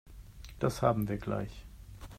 Das haben wir gleich.